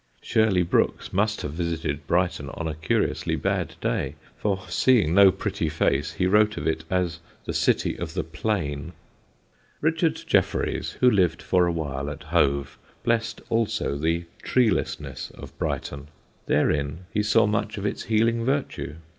(Shirley Brooks must have visited Brighton on a curiously bad day, for seeing no pretty face he wrote of it as "The City of the Plain.") Richard Jefferies, who lived for a while at Hove, blessed also the treelessness of Brighton. Therein he saw much of its healing virtue.